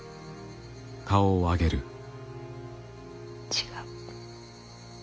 違う。